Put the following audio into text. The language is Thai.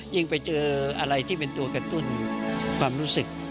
ไปเจออะไรที่เป็นตัวกระตุ้นความรู้สึก